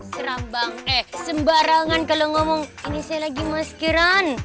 serambang eh sembarangan kalau ngomong ini saya lagi maskeran